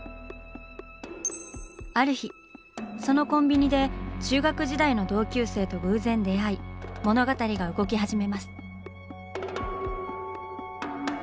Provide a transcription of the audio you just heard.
ある日そのコンビニで中学時代の同級生と偶然出会い物語が動き始めます。